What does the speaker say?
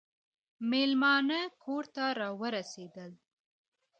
مېلمانه کور ته راورسېدل .